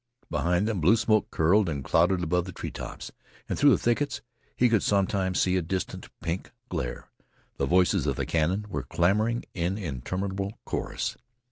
Behind them blue smoke curled and clouded above the treetops, and through the thickets he could sometimes see a distant pink glare. The voices of the cannon were clamoring in interminable chorus.